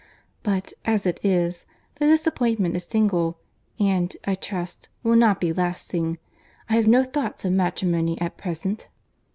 But, as it is, the disappointment is single, and, I trust, will not be lasting. I have no thoughts of matrimony at present."